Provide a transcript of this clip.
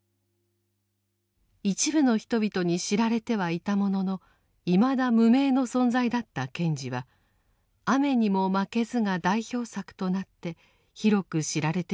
一部の人々に知られてはいたもののいまだ無名の存在だった賢治は「雨ニモマケズ」が代表作となって広く知られてゆくようになります。